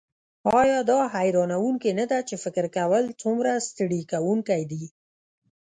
ایا دا حیرانوونکې نده چې فکر کول څومره ستړي کونکی دي